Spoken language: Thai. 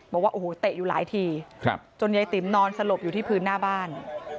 บอกว่าโอ้โหเตะอยู่หลายทีจนยายติ๋มนอนสลบอยู่ที่พื้นหน้าบ้าน